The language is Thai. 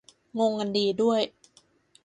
งงอันนี้ด้วย